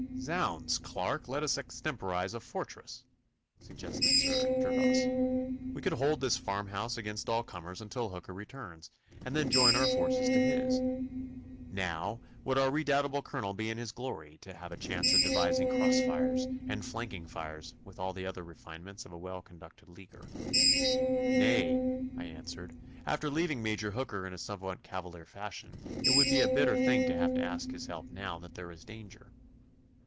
'Zounds, Clarke! let us extemporise a fortress,' suggested Sir Gervas. 'We could hold this farmhouse against all comers until Hooker returns, and then join our forces to his. Now would our redoubtable Colonel be in his glory, to have a chance of devising cross fires, and flanking fires, with all the other refinements of a well conducted leaguer.' 'Nay,' I answered, 'after leaving Major Hooker in a somewhat cavalier fashion, it would be a bitter thing to have to ask his help now that there is danger.